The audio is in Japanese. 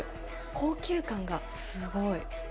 高級感がすごい。